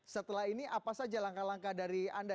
setelah ini apa saja langkah langkah dari anda